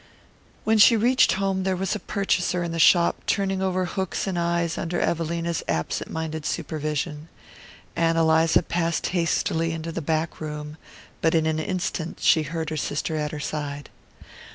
When she reached home there was a purchaser in the shop, turning over hooks and eyes under Evelina's absent minded supervision. Ann Eliza passed hastily into the back room, but in an instant she heard her sister at her side.